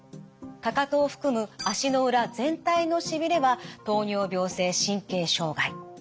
かかとを含む足の裏全体のしびれは糖尿病性神経障害。